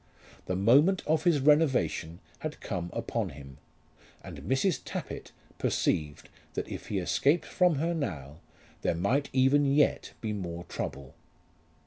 The moment of his renovation had come upon him, and Mrs. Tappitt perceived that if he escaped from her now, there might even yet be more trouble.